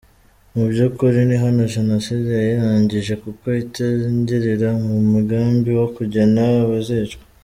Mu by’ukuri, ni hano Jenoside yayirangije kuko itangirira mu mugambi wo kugena abazicwa.